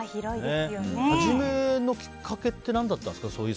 初めのきっかけって何だったんですか。